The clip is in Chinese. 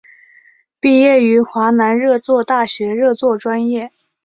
毕业于华南热作大学热作专业。